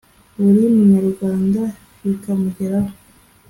buri munyarwanda bikamugeraho